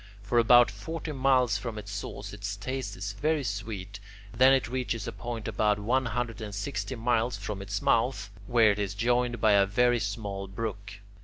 For about forty miles from its source its taste is very sweet; then it reaches a point about one hundred and sixty miles from its mouth, where it is joined by a very small brook.